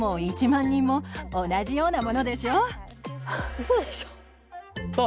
うそでしょう？